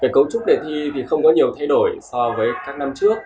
cấu trúc đề thi thì không có nhiều thay đổi so với các năm trước